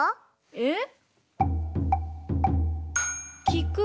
えっ？